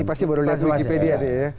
ini pasti baru lihat wikipedia dia ya